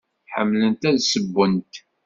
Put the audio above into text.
Ḥemmlent ad ssewwent?